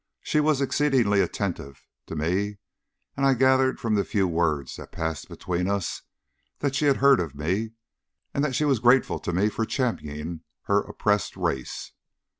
She was exceedingly attentive to me, and I gathered from the few words that passed between us that she had heard of me, and that she was grateful to me for championing her oppressed race.